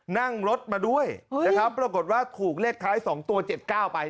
นั่งรถมาด้วยเฮ้ยนะครับปรากฏว่าถูกเลขคล้ายสองตัวเจ็ดเก้าไป